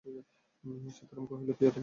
সীতারাম কহিল, প্রিয়তমে।